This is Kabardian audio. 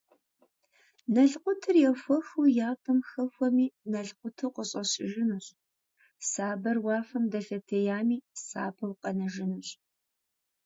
Налъкъутыр ехуэхыу ятӏэм хэхуэми, налъкъуту къыщӏэщыжынущ, сабэр уафэм дэлъэтеями, сабэу къэнэжынущ.